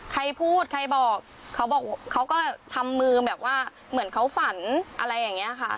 ใครพูดใครบอกเขาบอกเขาก็ทำมือแบบว่าเหมือนเขาฝันอะไรอย่างนี้ค่ะ